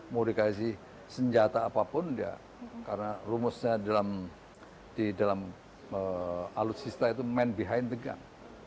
mau dikasih senjata apapun ya karena rumusnya di dalam alutsista itu main behind the gun